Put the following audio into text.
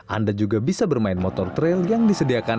anda juga bisa bermain motor trail yang disediakan